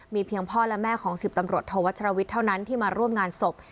เพียงพ่อและแม่ของ๑๐ตำรวจโทวัชรวิทย์เท่านั้นที่มาร่วมงานศพ